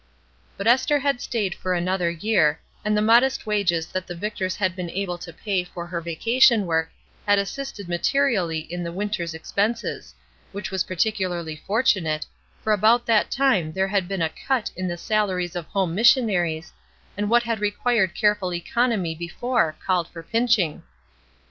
But Esther had stayed for another year, and the modest wages that the Victors had been able to pay for her vacation work had assisted materially in the winter's expenses; which was pecuharly fortunate, for about that time there had been a "cut" in the salaries of home mis sionaries, and what had required careful econ omy before called for pinching.